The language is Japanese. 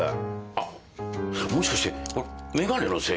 あっもしかして眼鏡のせいか？